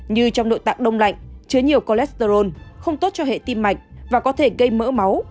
như trong nội tạng đông lạnh chứa nhiều cholesterol không tốt cho hệ tim mạch và có thể gây mỡ máu